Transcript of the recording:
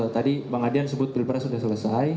tadi bang adian sebut pilpres sudah selesai